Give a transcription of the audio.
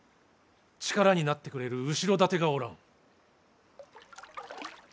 力になってくれる後ろ盾がおらん。